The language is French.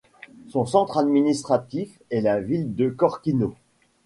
Son centre administratif est la ville de Korkino.